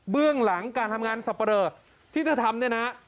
เรื่องหลังการทำงานสับปะเลอที่จะทำเนี่ยนะ